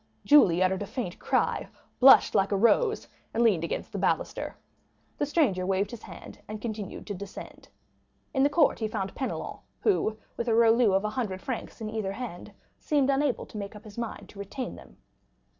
Julie uttered a faint cry, blushed like a rose, and leaned against the baluster. The stranger waved his hand, and continued to descend. In the court he found Penelon, who, with a rouleau of a hundred francs in either hand, seemed unable to make up his mind to retain them.